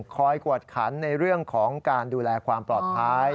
พวกมันต้องไปคอยกวดขันในเรื่องของการดูแลความปลอดภัย